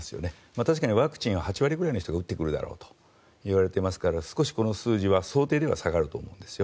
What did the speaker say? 確かにワクチンは８割ぐらいの人が打ってくるだろうといわれていますから少しこの数字は想定では下がると思うんですよ。